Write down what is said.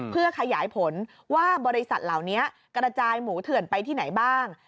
เพื่อขยายผลว่าบริษัทเหล่านี้กระจายหมูเถื่อนไปที่ไหนบ้าง